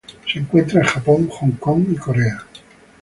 Se encuentra en Japón, Hong Kong, y Corea.